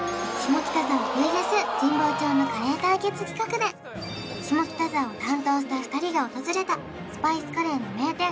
神保町のカレー対決企画で下北沢を担当した２人が訪れたスパイスカレーの名店